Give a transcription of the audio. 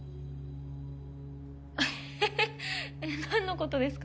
はははっえっ何のことですか？